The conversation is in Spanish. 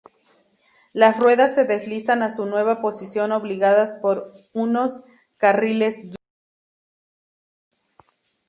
Las ruedas se deslizan a su nueva posición obligadas por unos carriles-guía.